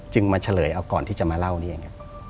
มาเฉลยเอาก่อนที่จะมาเล่านี้เอง